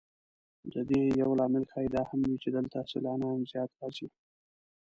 د دې یو لامل ښایي دا هم وي چې دلته سیلانیان زیات راځي.